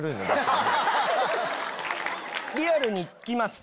リアルに行きます